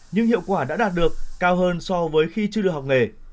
nhưng hiệu quả đã đạt được cao hơn so với khi chưa được học nghề